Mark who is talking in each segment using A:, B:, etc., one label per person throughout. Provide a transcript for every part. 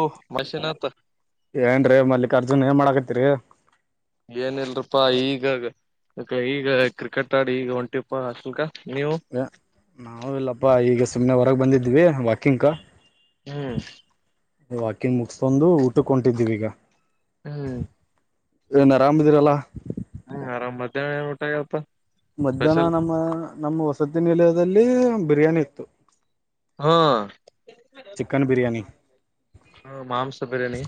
A: ಓಹ್ ಮಷನ್ತ್ತ
B: ತಿರುಗಾಕೆ
A: ಏನ್ ಇಲ್ರಪ್ಪಾ ಈಗ ಈಗ ಕ್ರಿಕೆಟ್ ಆಡಿ ಈಗ ಹೊಂಟಿಪಾ ಅಷ್ಟಲ್ಕ
B: ನಾವವು ಇಲ್ಲಪ್ಪ ಈಗ ಸುಮ್ಮನೆ ಹೊರೆಗೆ ಬಂದಿದ್ವಿ ವಾಕಿಂಗ್ಗೆ
A: ಹ್ಮ್
B: ವಾಕಿಂಗ್ ಮುಗಸ್ಕೊಂಡಂದು ಊಟಕ ಕೊಟಿದ್ದೀವಿ ಈಗ
A: ಹ್ಮ್
B: ಏನ್ ಅರಾಮಿದೀರಲ್ಲ
A: ಹ್ಮ್ ಆರಾಮ್ ಮಧ್ಯಾಹ್ನ ಏನ್ ಊಟಾಗಪ್ಪ
B: ಮಧ್ಯಾಹ್ನ ನಮ್ಮ ನಮ್ಮ ವಸತಿ ನಿಲಯದಲ್ಲಿ ಬಿರಿಯಾನಿ ಇತ್ತು
A: ಹಾ
B: ಚಿಕನ್ ಬಿರಿಯಾನಿ
A: ಹಾ ಮಾಂಸ ಬಿರಿಯಾನಿ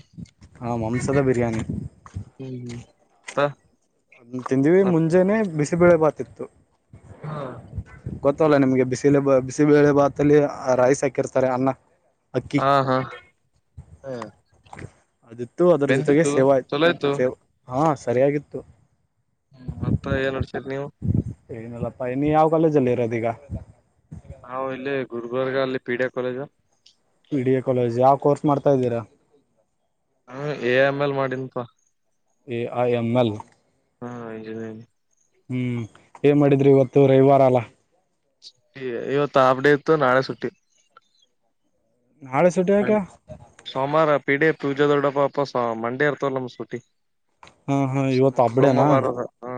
B: ಹಾ ಮಾಂಸದ ಬಿರಯಾನಿ
A: ಹ್ಮ್ ಹ್ಮ್ ಹ
B: ಅದ ತಿಂದಿವವಿ ಮುಂಜೆನೆ ಬಿಸಿಬಳೆ ಬಾತಿತ್ತು
A: ಹಾ
B: ಗೊತ್ತಲ್ಲ ನಿಮ್ಗೆ ಬಿಸಿಲಿಾ ಬಿಸಿಬೇಳೆ ಭಾತಲ್ಲಿ ರೈಸ್ ಹಾಕಿರ್ತಾರೆ ಅನ್ನ ಅಕ್ಕಿ
A: ಹಾ ಹಾ ಹ
B: ಅದಿತ್ತು ಅದರ ಜೊತೆಗೆ ಸೇವಾ ಆಯ್ು
A: ಇತ್ತು
B: ಸೇವ್ ಹಾ ಸರಿಯಾಗಿತ್ತು
A: ಹ್ಮ ಅಪ್ಪ ಏನ್ಡ್ತರಿ ನೀವು
B: ಏನಲ್ಲಪ್ಪಾ ಇನ್ನು ಯಾವ ಕಾಲೇಜಲ್ಲಿ ಇರೋದೀಗ
A: ನಾವವು ಇಲ್ಲಿ ಗುರ್ಬರ್ಗ ಅಲ್ಲಿ PDA college
B: P D A college ಯಾವ ಕೋರ್ಸ್ ಮಾಡ್ತಾ ಇದ್ದೀರಾ
A: ಹ ಎ ಆಮೇಲ್ ಮಾಡಿನ್ಪ
B: ಎ ಐ ಎಮ ಎಲ್
A: ಹಾ ಇಂಜಿನಿಯರಿ
B: ಹ್ಮ್ ಏನ್ ಮಾಡಿದ್ರಿ ಇವತ್ತು ರವಿವಾರ ಅಲ್ಲ
A: ಇವತ್ತು ಆಪ್ಡೇ ಇತ್ತು ನಾಳೆ ಸುಟ್ಟಿ
B: ನಾಳೆ ಸುಟಿ ಯಾಕೆ
A: ಸೋಮಾರ ಪೀಡೆ ಪೂಜೆ ದೊಡ್ಡಪ್ಪಪ ಮಂಡೇ ಇರ್ತವ ನಮ್ಮ್ ಸೂಟ್ಟಿ
B: ಹಾ ಹಾ
A: ಸ
B: ಇವತ್ತು ಹಬ್ಡೇನಾ
A: ಸೋಮವಾರದ ಹಾ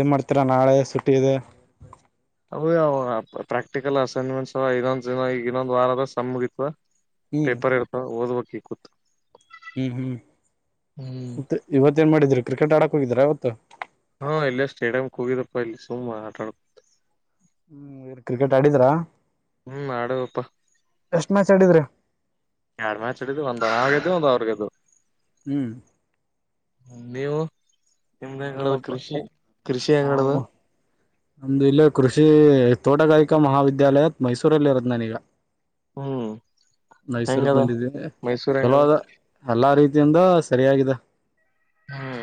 B: ಏನ್ ಮಾಡ್ತೀರ ನಾಳೆ ಸುಟಿ ಇದೆ
A: ಅಯ್ಯ ಪ್ರಾಕ್ಟಿಕಲ್ ಅಸೈನ್ಮೆಂಟ್ಸ್ ಇನ್ನೊಂದ ಇನ್ನೊಂದ್ ವಾರದ ಸ ಮುಗಿತ್ವ
B: ಹ್ಮ್
A: ಪೇಪರ್ ಇರ್ತ ಓದ್ಬೇಕಿ
B: ಹ್ಮ್ ಹ್ಮ್ ಮತ್ತೆ ಇವತ್ ಏನ್ ಮಾಡಿದೀರಿ ಕ್ರಿಕೆಟ್ ಆಡಕ್ ಹೋಗಿದೀರಾ ಇವತ್ತು
A: ಹಾ ಇಲ್ಲೇ ಸ್ಟೇಡಿಯಂ್ಕ್ ಹೋಗಿದಪ್ಪ ಇಲ್ಲಿ ಸುಮ್ ಆಟ ಆಡ್ಬ
B: ಹ್ಮ್ ಇ ಕ್ರಿಕೆಟ್ ಆಡಿದ್ರಾ
A: ಹ್ಮ್ ಮಾಡಪ್ಪ
B: ಎಷ್ಟ್ ಮ್ಯಾಚ್ ಆಡಿದ್ರಿ
A: ಎರಡ್ ಮ್ಯಾ ಚಡಿದ ಒಂದು ಅವಗ್ದ ಒಂದು ಅವ್ರಗದ
B: ಹ್ಮ್
A: ನೀವು ನಿಮ್ದ ಹೆಂಗಡದು
B: ನಾವಿಲ್ಲಪ್ಪ
A: ಕೃಷಿ ಕೃಷಿ
B: ನಾವು
A: ಹೆಂಗಡದು
B: ನಮ್ದು ಇಲ್ಲ ಕೃಷಿ ತೋಟಗಾರಿಕಾ ಮಹಾವಿದ್ಯಾಲಯತ್ ಮೈಸೂರಲ್ಲಿ ಇರೋದ್ ನಾನೀಗ
A: ಹ್ಮ್
B: ಮೈಸೂರ್ಕ್
A: ಹೆಂಗದ
B: ಬಂದಿದ್ದೀನಿ
A: ಮೈಸೂರ್
B: ಚಲೋ
A: ಹೆಂಗದ
B: ಅದ ಎಲ್ಲಾ ರೀತಿ ಇದಿಂದ ಸರಿಯಾಗಿದೆ
A: ಹ್ಮ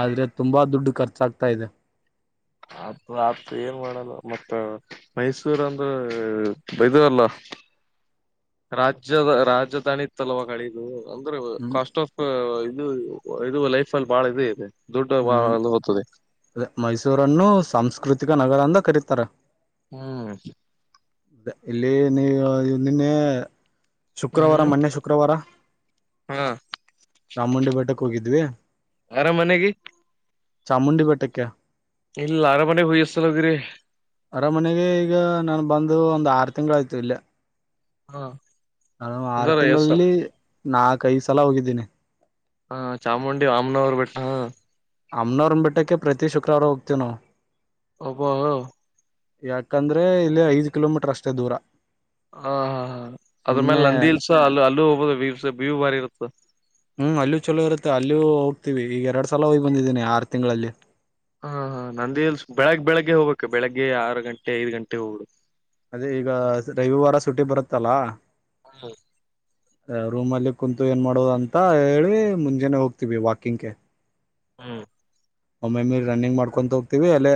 B: ಆದ್ರೆ ತುಂಬಾ ದುಡ್ಡು ಖರ್ಚಾಗ್ತಾ ಇದೆ
A: ಅದ ಆತ್ ಏನ್ ಮಾಡಲ್ಲ ಮತ್ತ ಮೈಸೂರ್ ಅಂದ್ರ ಬೈದವಲ್ಲ
B: ಹ [inaudible]
A: ರಾಜ್ಯದ ರಾಜಧಾನಿತ್ತಲ್ವ ಕಡೆದು ಅಂದ್ರೆ
B: ಹ್ಮ್
A: ಕಾಸ್ಟ್ ಆಫ್ ಇದು ಇದು ಲೈಫ್ ಅಲ್ಲಿ ಭಾಳ ಇದೆ ಇದೆ ದುಡ್ಡು
B: ಹ್ಮ್
A: ಬಾಳ ಹೋಗ್ತದೆ
B: ಮೈಸೂರನ್ನು ಸಾಂಸ್ಕೃತಿಕ ನಗರ ಅಂದ ಕರೀತಾರ
A: ಹ್ಮ್
B: ಅದ ಇಲ್ಲಿ ನೀವು ಇಂದನ್ನೇ ಶುಕ್ರವಾರ
A: ಹ್ಮ್
B: ಮೊನ್ನೆ ಶುಕ್ರವಾರ
A: ಹಾ
B: ಚಾಮುಂಡಿ ಬೆಟ್ಟಕ್ಕೆ ಹೋಗಿದ್ವಿ
A: ಅರಮನೆಗೆ
B: ಚಾಮುಂಡಿ ಬೆಟ್ಟಕ್ಕ
A: ಇಲ್ಲಿ ಲಾರಾಮಾನ ಹ ಅಸಗಿರೆ
B: ಅರಮನೆಗೆ ಈಗ ನಾನು ಬಂದು ಒಂದು ಆರು ತಿಂಗಳ ಆಯ್ತು ಇಲ್ಲ
A: ಹಾ
B: ನಾನು ಆರು
A: ಅಂದ್ರ ಎಷ್ಟಲ್
B: ತಿಂಗಳಲ್ಲಿ ನಾಕ ಐದು ಸಲ ಹೋಗಿದ್ದೀನಿ
A: ಹಾ ಚಾಮುಂಡಿ ವಾಮ್ನವರ್ ಬೆಟ್ಟ ಹ
B: ಅಮ್ನವರ್ ಬಿಟ್ಟಕ್ಕೆ ಪ್ರತಿ ಶುಕ್ರವಾರ ಹೋಗ್ತವ ನ
A: ಹಬ ಹ
B: ಯಾಕಂದ್ರೆ ಇಲ್ಲಿ ಐದ್ ಕಿಲೋಮೀಟರ್ ಅಷ್ಟೇ ದೂರ
A: ಹ ಹಾ ಹ
B: ಸುಮ್ನೆ
A: ಅದ್ರ್ಮೇಲೆ ನಂದಿ ಇಲ್ಸ ಅಲ್ಲ ಅಲ್ಲೂ ಹೋಗಬೋದು ಬೀವಸ ಬೀವು ಬಾರಿ ಇರುತ್ತ
B: ಹ್ಮ್ ಅಲ್ಲೂ ಚಲೋ ಇರುತ್ತೆ ಅಲ್ಲಯೂ ಹೋಗ್ತೀವಿ ಈಗ ಎರಡ್ ಸಲ ಹೋಗಿ ಬಂದಿದ್ದೀನಿ ಆರು ತಿಂಗಳಲ್ಲಿ
A: ಹಾ ಹಾ ನಂದ ಎಲ್ ಬೆಳಗ್ ಬೆಳಿಗ್ಗೆ ಹೋಗ್ಕ್ಕ ಬೆಳಿಗ್ಗೆ ಆರು ಗಂಟೆ ಐದು ಗಂಟೆ ಹೋಗಡು
B: ಅದೇ ಈಗ ರವಿವಾರ ಸುಟಿ ಬರುತ್ತಲ್ಲ
A: ಹೌ
B: ರೂಮ್ಲ್ಲಿ ಕುಂತು ಏನ್ ಮಾಡೋದು ಅಂತ ಹೇಳಿ ಮುಂಜೆನನೆ ಹೋಗ್ತೀವಿ ವಾಕಿಂಗ್ಗೆ
A: ಹ್ಮ್
B: ಒಮ್ಮೆ ಮೀರ್ ರನ್ನಿಂಗ್ ಮಾಡ್ಕೊಂತ ಹೋಗ್ತಿವಿ ಅಲ್ಲೇ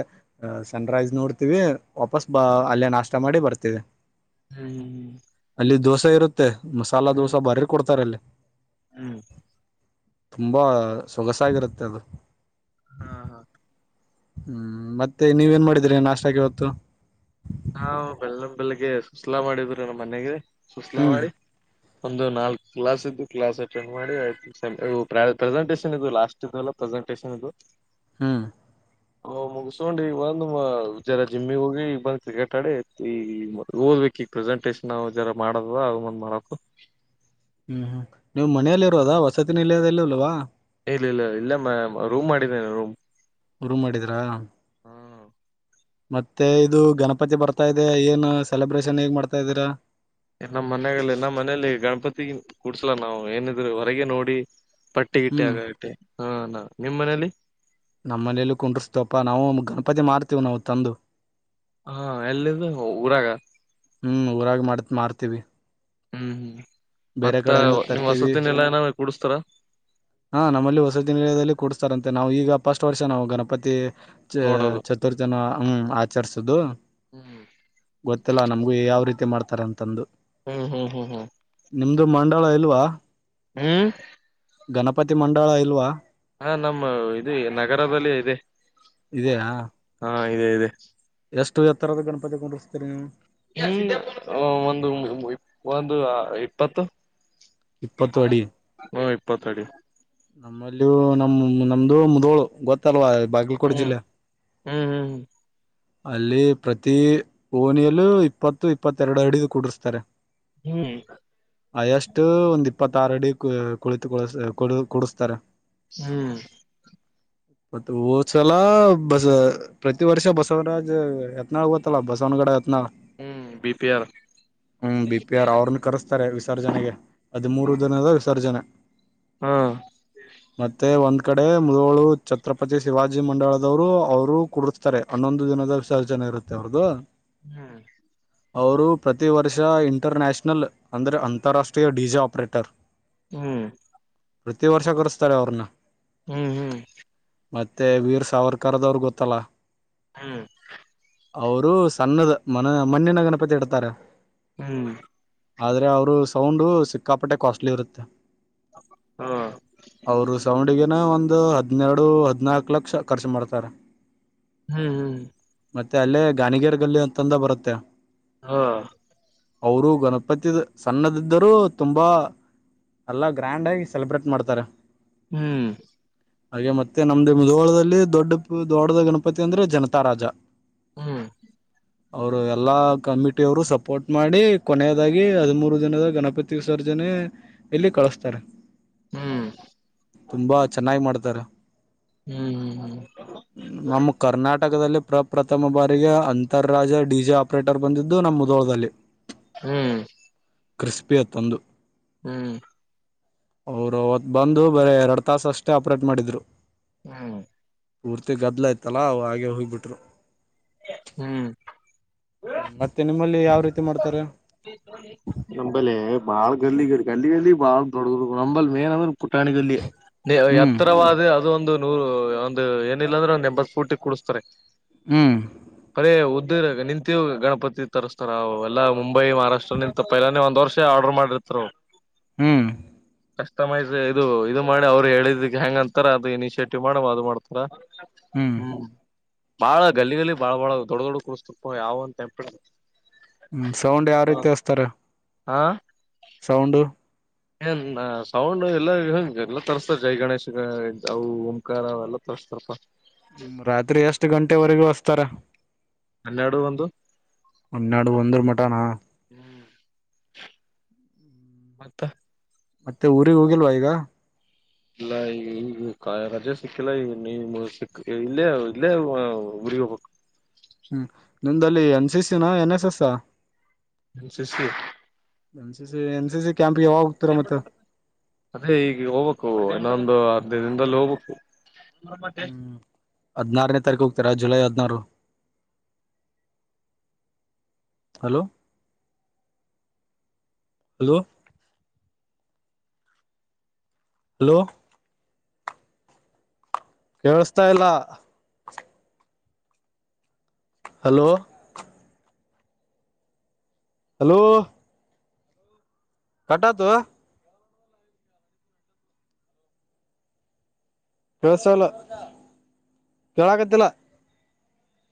B: ಸನ್ರೈಸ್ ನೋಡ್ತಿವಿ ವಾಪಸ್ ಬ ಅಲ್ಲೇ ನಾಷ್ಟ ಮಾಡಿ ಬರ್ತಿದೆ
A: ಹ್ಮ್ ಹ್ಮ್ ಹ್ಮ್
B: ಇಲ್ಲಿ ದೋಸೆ ಇರುತ್ತೆ ಮಸಾಲ
A: ಹ್ಮ್
B: ದೋಸೆ ಬಾರಿ ಕೊಡ್ತಾರೆ ಅಲ್ಲಿ
A: ಹ್ಮ್
B: ತುಂಬಾ ಸೊಗಸಾಗಿರುತ್ತೆ ಅದು
A: ಹಾ ಹಾ
B: ಹ್ಞ ಮತ್ತೆ ನೀವೇಏನು ಮಾಡಿದೀರಿ ನಾಷ್ಟಾಗಿವತ್ತು
A: ನಾ ಬೆಳ್ಳ ಬೆಳಗ್ಗೆ ಸುಸ್ಲಾ ಮಾಡಿದ್ ನಮ್ಮ ಮನೆಗೆ ಸುಸ್ಲಾ
B: ಹ್ಮ್
A: ಮಾಡಿ ಒಂದು ನಾಲ್ಕು ಕ್ಲಾಸ್ ಇದ್ದು ಕ್ಲಾಸ್ ಅಟೆಂಡ್ ಮಾಡಿ ಪ್ರೆಸೆಂಟೇಶನ್ ಇದು ಲಾಸ್ಟ್ ಇಲ್ಲ ಇ
B: ಹ್ಮ್
A: ಹ್ ಮುಗಸ್ಕೊಂಡಿ ಒಂದು ಜರ ಜಿಮ್ಮಿಗ್ ಹೋಗಿ ಈ ಬಂದ ಕ್ರಿಕೆಟ್ ಆಡಿ ಈ ಓದ್ಬೇಕು ಈಗ ಪ್ರೆಸೆಂಟೇಶನ್ ಜರ ಮಾಡದ ಅಂದ್ ಮಾಡಕು
B: ಹ್ಮ್ ಹ್ಮ್ ನೀವು್ ಮನೆಯಲ್ಲಿ ಇರೋದಾ ವಸತಿ ನಿಲಯದಲ್ಲಿ ಅಲ್ವಾ
A: ಇಲ್ಲ ಇಲ್ಲ ಇಲ್ಲ ಮ ರೂಮ್ ಮಾಡಿದ್ದೇನೆ ರೂಮ್
B: ರುಮ್ ಮಾಡಿದ್ರಾ
A: ಹ್ಮ
B: ಮತ್ತೆ ಇದು ಗಣಪತಿ ಬರ್ತಾ ಇದೆ ಏನ್ ಸೆಲೆಬ್ರೇಷನ್ ಹೇಗ್ ಮಾಡ್ತಾ ಇದ್ದೀರಾ
A: ನಮ್ಮ್ ಮನಾಗಲ್ಲ ನಮ್ಮ್ ಮನಲಿ ಗಣಪತಿ ಕೂಡ್ಸಲ ನಾ್ ಏನಿದ್ರರು ಹೊರಗೆ ನೋಡಿ ಪಟ್ಟಿ ಗಿಟ್ಟಿ
B: ಹ್ಮ್
A: ಆಗಾಗಟ್ಟೆ ಹಾ ನಾ ನಿಮ್ಮ್ ಮನೇಲಿ
B: ನಮ್ಮನೆಯಲ್ಲೂ ಕುಂಡ್ರಿಸ್ತಪ್ಪಾ ನಾವು ಗಣಪತಿ ಮಾರ್ತೀವು ನಾವು ತಂದು
A: ಹಾ ಎಲ್ಲಿಂದ ಊರಾಗ
B: ಹ್ಮ್ ಊರಾಗ ಮಾಡತ್ ಮಾಡ್ತೀವಿ
A: ಹ್ಮ್ ಹ್ಮ್
B: ಬೇರೆ
A: ಮತ್ತ
B: ಕಡೆಯಿಂದ
A: ನಿಮ್
B: ತರ್ತೀವಿ
A: ವಸತಿನ ಎಲ್ಲಾ ಏನ ಕುೂಡಸ್ತಾರ
B: ಹಾ ನಮ್ಮಲ್ಲಿ ಹೊಸ ದಿನದಲ್ಲಿ ಕೂಡ್ಸ್ತಾರಂತೆ ಮತ್ತು ನಾವು ಈಗ ಫಸ್ಟ್ ವರ್ಷ ನಾವು ಗಣಪತಿ ಚ
A: ನೋಡೋದು
B: ಚತುರ್ಥಿಯನ್ನು ಆಚರಿಸೋದು
A: ಹ್ಮ್
B: ಗೊತ್ತಿಲ್ಲ ನಮ್ಗು ಯಾವ ರೀತಿ ಮಾಡ್ತಾರ ಅಂತಂದು
A: ಹ್ಮ್ ಹ್ಮ್ ಹ್ಮ್ ಹ್ಮ್
B: ನಿಮ್ದು ಮಂಡಳ ಇಲ್ವಾ
A: ಹ್ಮ್
B: ಗಣಪತಿ ಮಂಡಳ ಇಲ್ವಾ
A: ಹಾ ನಮ್ಮ ಇದು ನಗರದಲ್ಲಿ ಇದೆ
B: ಇದೆಯಾ
A: ಹಾ ಇದೆ ಇದೆ
B: ಎಷ್ಟು ಎ ಥರದ ಗಣಪತಿ ಕೊಂಡಿಸ್ತೀರಿ ನೀವು
A: ಹ್ಮ ಒಂದು ಒಂದು ಇಪ್ಪತ್ತು
B: ಇಪ್ಪತ್ತು ಅಡಿ
A: ಹ್ಮ ಇಪ್ಪತ್ತಡಿ
B: ನಮ್ಮಲ್ಲಿ ನಮ್ ನಮ್ದು ಮುದೋಳು ಗೊತ್ತಲ್ವಾ ಬಾಗಲಕೋಟೆ
A: ಹ್ಮ್
B: ಜಿಲ್ಲೆ
A: ಹ್ಮ್ ಹ್ಮ್ ಹ್ಮ್
B: ಅಲ್ಲಿ ಪ್ರತಿ ಓನಿಯಲ್ಲೂ ಇಪ್ಪತ್ತು ಇಪ್ಪತ್ತೆರಡು ಅಡಿದ ಕುಡರ್ಸ್ತಾರೆ
A: ಹ್ಮ್
B: ಅಯಷ್ಟು ಒಂದ್ ಇಪ್ಪತ್ತಾರಡಿ ಕು ಕುಳಿತು ಕುಡಸ್ತಾರೆ
A: ಹ್ಮ್
B: ಮತ್ತ ಹಓದ್ಸಲ ಬಸ ಪ್ರತಿ ವರ್ಷ ಬಸವರಾಜ್ ಯತ್ನಾಳ್ ಗಓತ್ತಲ್ಲ ಬಸವನಗಡೆ
A: ಹ್ಮ್ ಬಿ ಪಿ ಆರ್
B: ಹ್ಮ ಬಿ ಪಿ ಆರ್ ಅವ್ರನ್ನ ಕರೆಸ್ತಾರೆ ವಿಸರ್ಜನೆಗೆ ಅದ ಮೂರು ದಿನದ ವಿಸರ್ಜನೆ
A: ಹಾ
B: ಈ ಕಡೆ ಮುದಳು ಛತ್ರಪತಿ ಶಿವಾಜಿ ಮಂಡಲದವರು ಅವರು ಕುಡತಾರೆ ಹನ್ನೊಂದು ದಿನದ ವಿಸರ್ಜನೆ ಇರುತ್ತೆ ಅವ್ರ್ದು
A: ಹ್ಮ್
B: ಅವರು ಪ್ರತಿ ವರ್ಷ ಇಂಟರ್ನ್ಯಾಷನಲ್ ಅಂದ್ರರೆ ಅಂತಾರಾಷ್ಟ್ರೀಯ ಡಿಜಾ ಆಪ್ರೇಟರ್
A: ಹ್ಮ್
B: ಪ್ರತಿ ವರ್ಷ ಕರೆಸ್ತಾರೆ ಅವ್ರನ್ನ
A: ಹ್ಮ್ ಹ್ಮ್
B: ಮತ್ತುತ್ತ ವೀರ್ ಸಾವರ್ಕರ್ದವರುಿಗೆ ಗೊತ್ತಲ್ಲ
A: ಹ್ಮ್
B: ಅವರು ಸಣ್ಣದ ಮನ ಮಣ್ಣಿನ ಗಣಪತಿ ಇಡ್ತಾರೆ
A: ಹ್ಮ್
B: ಆದ್ರೆ ಅವರು ಸೌಂಡು ಸಿಕ್ಕಾಪಟ್ಟೆ ಕಾಸ್ಟ್ಲಿ ಇರುತ್ತೆ
A: ಹಾ
B: ಅವರು ಸಾವಂಡಿಗೆ ಒಂದು ಹನ್ನೆರಡು ಹದಿನಾಲ್ಕು ಲಕ್ಷ ಖರ್ಚು ಮಾಡ್ತಾರೆ
A: ಹ್ಮ್ ಹ್ಮ್
B: ಮತ್ತೆ ಅಲ್ಲೇ ಗಾನಿಗರ್ಗಲ್ಲಿ ಅಂತಂದ ಬರುತ್ತೆ
A: ಹಾ
B: ಅವರು ಗಣಪತಿದ ಸಣ್ಣದಿದ್ದರೂ ತುಂಬಾ ಎಲ್ಲಾ ಗ್ರ್ಯಾಂಡ್ ಆಗಿ ಸೆಲೆಬ್ರೇಟ್ ಮಾಡ್ತಾರ
A: ಹ್ಮ್
B: ಹಾಗೆ ಮತ್ತೆ ನಮ್ದು ಮುಧೋಳದಲ್ಲಿ ದೊಡ್ಡ ದೊಡ್ಡದ ಗಣಪತಿ ಅಂದ್ರೆ ಜನತಾ ರಾಜ
A: ಹ್ಮ್
B: ಅವರು ಎಲ್ಲಾ ಕಮಿಟಿಯವರು ಸಪೋರ್ಟ್ ಮಾಡಿ ಕೊನೆಯದಾಗಿ ಹದಿಮೂರು ದಿನದ ಗಣಪತಿ ವಿಸರ್ಜ ನೆ ಎಲ್ಲಿ ಕಳಸ್ತಾರೆ
A: ಹ್ಮ್
B: ತುಂಬಾ ಚೆನ್ನಾಗಿ ಮಾಡ್ತಾರ
A: ಹ್ಮ್ ಹ್ಮ್
B: ನಮ್ಮ ಕರ್ನಾಟಕದಲ್ಲಿ ಪ್ರಪ್ರಥಮ ಬಾರಿಗೆ ಅಂತರ್ರಾಜ ಡಿಜೆ ಆಪ್ರೇಟರ್ ಬಂದಿದ್ದು ನಮ್ಮ ಮುದೋಳದಲ್ಲಿ.
A: ಹ್ಮ್
B: ಕ್ರಿಸ್ಪಿಯತ್ತೊಂದು
A: ಹ್ಮ್
B: ಅವ್ರು ಅವತ್ತು ಬಂದು ಬರೆ ಎರಡು ತಾಸ ಅಷ್ಟೇ ಆಪ್ರೇಟ್ ಮಾಡಿದ್ರು
A: ಹ್ಮ್
B: ಪೂರ್ತಿ ಗದ್ಲಯ್ತಲ್ಲಾ ಅವ ಹಾಗೆ ಹೋಗಿಬಿಟ್ರು.
A: ಹ್ಮ್
B: ಹ್ಮ ಮತ್ತೆ ನಿಮ್ಮಲ್ಲಿ ಯಾವ ರೀತಿ ಮಾಡ್ತಾರೆ.
A: ನಂಬಲ್ಲಿ ಬಾಳ್ ಗಲ್ಲಿ ಗ ಗಲ್ಲಿ ಗಲ್ಲಿ ಬಾಳ ದೊಡ್ಡ ದೊಡ್ಡ ನಂಬಲ್ಲಿ ಮೇನ್ ಅಂದ್ರ ಕುಟ್ಟಾಣಿಗಲ್ಲಿ
B: ಹ್ಮ್
A: ಎತ್ತರವಾದ ಅದು ಒಂದು ನೂರು ಒಂದು ಏನಿಲ್ಲ ಅಂದ್ರ ಒಂದ್ ಎಂಬತ್ ಪೂಟಿಗ್ ಕೂಡಸ್ತಾರೆ
B: ಹ್ಮ್
A: ಪದೆ ಉದ್ದ ನಿಂತಿರುವ ಗಣಪತಿ ತರಿಸ್ತಾರ ಅವ ಎಲ್ಲ ಮುಂಬೈ ಮಹಾರಾಷ್ಟ್ರ ನಿಂತ ಪೈಲಾನೆ ಒಂದ್ ವರ್ಷ ಆರ್ಡರ್ ಮಾಡಿರ್ತಾರ್ ಅವ್ರ
B: ಹ್ಮ್
A: ಕಸ್ಟಮೈಸ್ ಇದು ಇದು ಮಾಡಿ ಅವ್ರು ಹೇಳಿದಕ್ಕೆ ಹೆಂಗ ಅಂತಾರ ಅದು ಇನಿಶಿಯೇಟಿವ್ ಮಾಡ ಅದು ಮಾಡ್ತಾರ ಹ್ಮ್ ಬಾಳ ಗಲ್ಲಿಗಲ್ಲಿಗ್ ಬಾಳ್ ಬಾಳ ದೊಡ್ಡ ದೊಡ್ಡ ಕೂರ್ಸ್ತಪ್ಪ ಯಾವಂತೆಂಪ
B: ಹ್ಮ್ ಸೌಂಡ್ ಯಾವ ರೀತಿ ಹಸ್ತಾರ
A: ಆ
B: ಸೌಂಡು
A: ಏನ್ ಸೌಂಡ್ ಎಲ್ಲ ಹಂ ಎಲ್ಲಾ ತರ್ಸ್ತಾರೆ ಜೈ ಗಣೇಶ್ ಅವು ಓಂಕಾರ ಅವೆಲ್ಲ [inaudible]
B: ಹ್ಮ ರಾತ್ರಿ ಎಷ್ಟ್ ಗಂಟೆವರೆಗೂ ಹಸ್ತಾರ
A: ಹನ್ನೆರಡು ಒಂದು
B: ಹನ್ನೆರಡು ಒಂದರ್ಮಟ ಅಣ್ಣ
A: ಹ್ಮ್ ಮತ್ತ
B: ಮತ್ತೆ ಊರಿಗೆ ಹೋಗಿಲ್ವಾ ಈಗ
A: ಇಲ್ಲ ಈ ಈಗ ರಜೆ ಸಿಕ್ಕಿಲ್ಲ ಈ ನೀವು ಸಿ ಇಲ್ಲೇ ಇಲ್ಲೇ ಊರಿಗ್ ಹೋಗ್ಬೇಕು
B: ಹ್ಮ್ ನಿಮ್ದಲ್ಲಿ N C C no N S S.
A: N C C
B: N C C N C C ಕ್ಯಾಂಪ್ಗೆ ಯಾವಾಗ ಹೋಗ್ತೀರಾ ಮತ್ತೆ
A: ಅದೇ ಈಗ ಹೋಗ್ಬೇಕು ಇನ್ನೊಂದು ಹದ್ನೈದು ದಿನದಲ್ಲಿ ಹೋಗ್ಬೇಕು [unintelligible]
B: ಹ್ಮ್ ಹದ್ನಾರನೇ ತಾರೀಕು ಹೋಗ್ತೀರಾ ಜುಲೈ ಹದ್ನಾರು ಹಲೋ ಹಲೋ ಹಲೋ ಕೇಳಸ್ತಾ ಇಲ್ಲ ಹಲೋ ಹಲೋ ಕಟ್ಟಾತೋ ಕೇಳಸ್ತಾ ಇಲ್ಲ ಕೇಳಕತ್ತಿಲ್ಲ